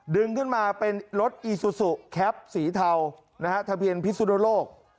ดึงขึ้นมาเป็นรถอีซูซูแคปสีเทานะฮะทะเบียนพิสุนโลก